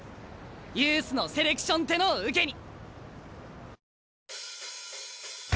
ユースのセレクションってのを受けに。